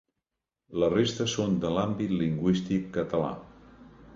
La resta són de l’àmbit lingüístic català.